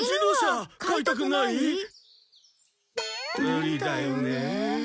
無理だよねえ。